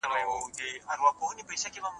کور زده کړه به پرمختګ راوړی وي.